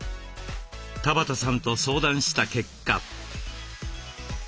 田端さんと相談した結果。